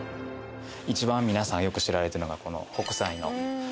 一番皆さんよく知られてるのがこの北斎の波の。